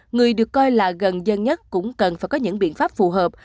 người được coi là gần dân nhất cũng cần phải có những biện pháp phù hợp